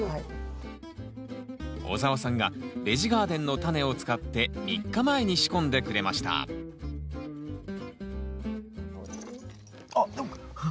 オザワさんがベジガーデンのタネを使って３日前に仕込んでくれましたあっ！